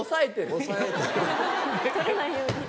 取れないように。